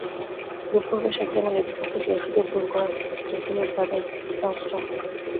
Group পর্বে শেখ জামালের বিপক্ষে জয়সূচক গোল করা জেসিমারও তাদের একটা অস্ত্র।